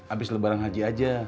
abis lebarang haji aja